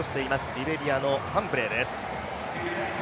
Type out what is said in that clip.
リベリアのファンブレーです。